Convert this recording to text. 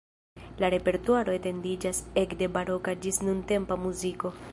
La repertuaro etendiĝas ekde baroka ĝis nuntempa muziko.